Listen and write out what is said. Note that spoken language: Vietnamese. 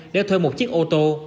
để thuê một chiếc ô tô